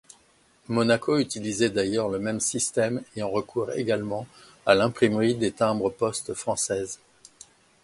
Monaco utilisait d'ailleurs le même système ayant recours également à l'imprimerie des timbres-poste française.